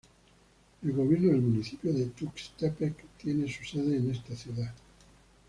El gobierno del municipio de Tuxtepec, tiene su sede en esta ciudad.